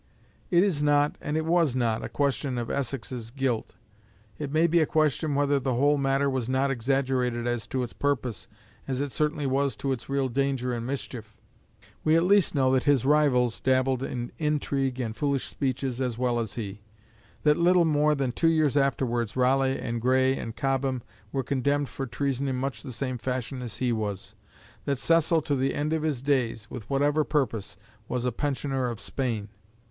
It is not, and it was not, a question of Essex's guilt. It may be a question whether the whole matter was not exaggerated as to its purpose, as it certainly was as to its real danger and mischief. We at least know that his rivals dabbled in intrigue and foolish speeches as well as he; that little more than two years afterwards Raleigh and Grey and Cobham were condemned for treason in much the same fashion as he was; that Cecil to the end of his days with whatever purpose was a pensioner of Spain.